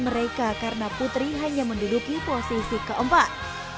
mereka karena putri hanya menduduki posisi keempat